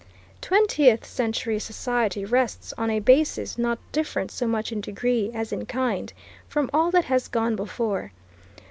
Twentieth century society rests on a basis not different so much in degree, as in kind, from all that has gone before.